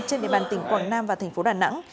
trên địa bàn tỉnh quảng nam và tp đà nẵng